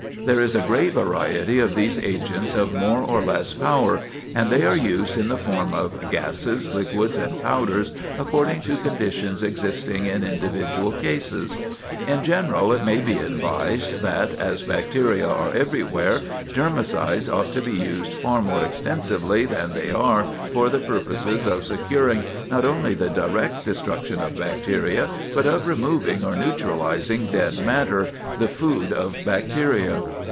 There is a great variety of these agents of more or less power, and they are used in the form of gases, liquids, and powders, according to conditions existing in individual cases. In general, it may be advised that, as bacteria are everywhere, germicides ought to be used far more extensively than they are for the purposes of securing not only the direct destruction of bacteria, but of removing or neutralizing dead matter, the food of bacteria.